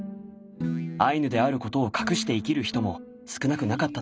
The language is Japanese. アイヌであることを隠して生きる人も少なくなかったといいます。